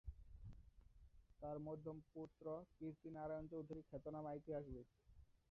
তার মধ্যম পুত্র কীর্তি নারায়ণ চৌধুরী খ্যাতনামা ইতিহাসবিদ।